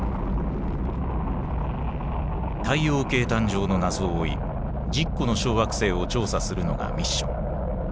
太陽系誕生の謎を追い１０個の小惑星を調査するのがミッション。